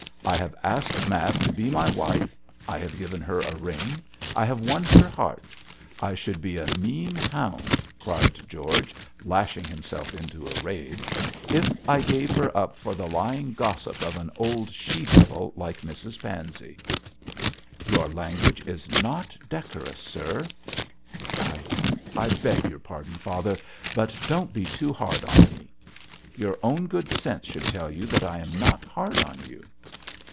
I have asked Mab to be my wife, I have given her a ring, I have won her heart; I should be a mean hound,' cried George, lashing himself into a rage, 'if I gave her up for the lying gossip of an old she devil like Mrs Pansey.' 'Your language is not decorous, sir.' 'I I beg your pardon, father, but don't be too hard on me.' 'Your own good sense should tell you that I am not hard on you.'